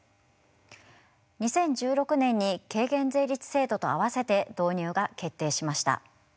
２０１６年に軽減税率制度と併せて導入が決定しました。